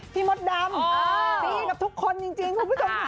พี่มดดำซีกับทุกคนจริงคุณผู้ชม